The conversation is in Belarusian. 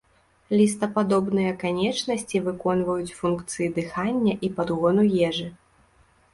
Лістападобныя канечнасці выконваюць функцыі дыхання і падгону ежы.